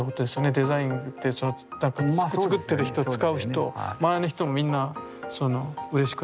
デザインは作ってる人使う人周りの人もみんなうれしくなる。